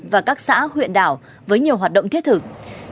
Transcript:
và các xã huyện đảo với nhiều hoạt động thiết thực